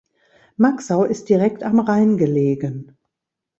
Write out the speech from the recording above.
Maxau ist direkt am Rhein gelegen.